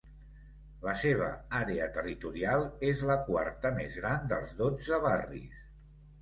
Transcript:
La seva àrea territorial és la quarta més gran dels dotze barris.